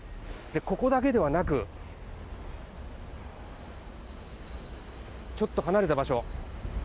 ここだけではなくちょっと離れた場所。